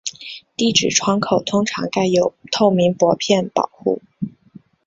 地址窗口通常盖有透明薄片保护。